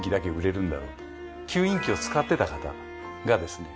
吸引器を使ってた方がですね